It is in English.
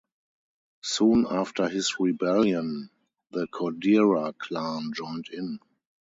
Soon after his rebellion, the Kodera clan joined in.